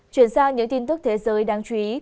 chuyển sang những tin tức thế giới đáng chú ý